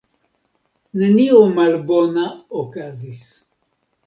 Nenio malbona okazis.